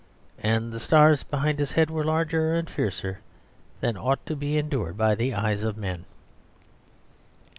And the stars behind his head were larger and fiercer than ought to be endured by the eyes of men.